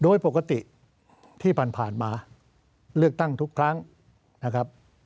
โดยปกติที่ผ่านมาเลือกตั้งทุกครั้งนะครับ